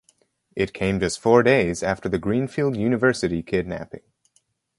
It came just four days after the Greenfield University kidnapping.